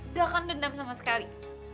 udah kan dendam sama sekali